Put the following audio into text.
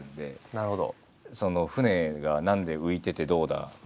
なるほど。